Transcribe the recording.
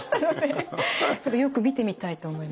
今度よく見てみたいと思います。